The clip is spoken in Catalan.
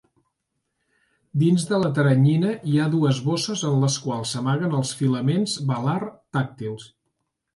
Dins de la teranyina hi ha dues bosses en les quals s'amaguen els filaments velar tàctils.